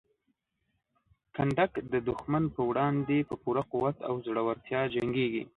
کنډک د دښمن په وړاندې په پوره قوت او زړورتیا جنګیږي.